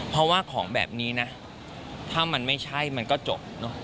เพราะว่าของแบบนี้นะถ้ามันไม่ใช่มันก็จบเนอะ